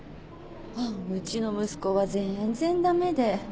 うちの息子は全然ダメで。